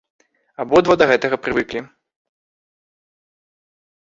Абодва да гэтага прывыклі.